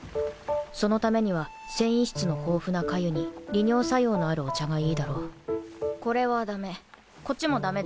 そのためには繊維質の豊富な粥に利尿作用のあるお茶がいいだろうこれはダメこっちもダメで。